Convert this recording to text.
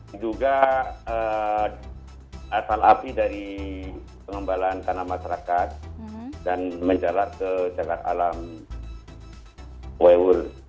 diduga atal api dari pengembaraan tanah masyarakat dan menjalak ke cagar alam waywool